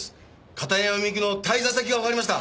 片山みゆきの滞在先がわかりました。